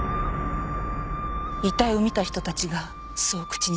遺体を見た人たちがそう口にするのを見て。